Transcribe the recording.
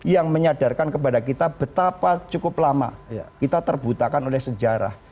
yang menyadarkan kepada kita betapa cukup lama kita terbutakan oleh sejarah